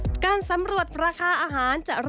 เป็นอย่างไรนั้นติดตามจากรายงานของคุณอัญชาฬีฟรีมั่วครับ